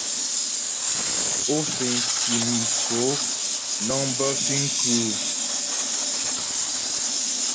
Ó fìŋ sim sóó nəŋ bə fìŋ kʉ́ʉ ?